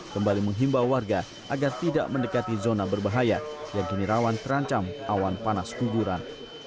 kembali menghimbau warga agar tidak mendekati zona berbahaya yang kini rawan terancam awan panas guguran